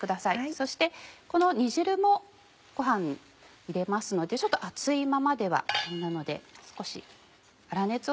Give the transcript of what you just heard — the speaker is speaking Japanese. そしてこの煮汁もご飯に入れますので熱いままではあれなので少し。